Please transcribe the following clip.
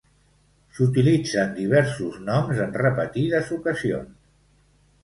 S'utilitzen diversos noms en repetides ocasions.